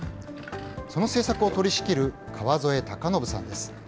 その制作を取りしきる川添孝信さんです。